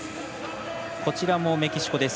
こちらもメキシコです。